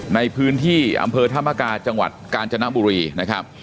ในพื้นที่อำเภอธรรมกาจังหวัดกาญจนบุรีนะครับ